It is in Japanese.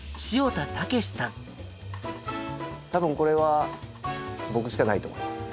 多分これは僕しかないと思います。